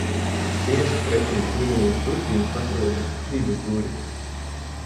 Tieši pretim ieejas durvīm atrodas divas durvis.